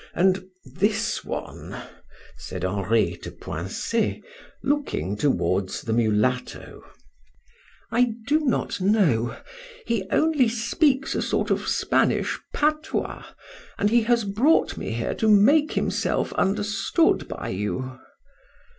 and this one?" said Henri to Poincet, looking towards the mulatto. "I do not know; he only speaks a sort of Spanish patois, and he has brought me here to make himself understood by you."